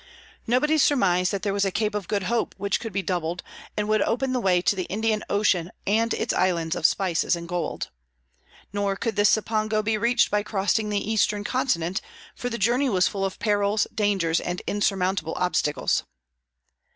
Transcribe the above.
Nobody surmised that there was a Cape of Good Hope which could be doubled, and would open the way to the Indian Ocean and its islands of spices and gold. Nor could this Cipango be reached by crossing the Eastern Continent, for the journey was full of perils, dangers, and insurmountable obstacles.